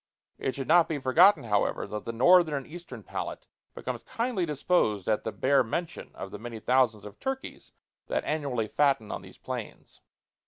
It should not be forgotten, however, that the Northern and Eastern palate becomes kindly disposed at the bare mention of the many thousands of turkeys that annually fatten on these plains.